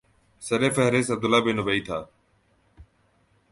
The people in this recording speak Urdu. سر فہرست عبداللہ ابن ابی تھا